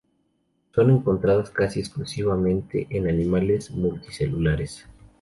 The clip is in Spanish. Son encontradas casi exclusivamente en animales multicelulares.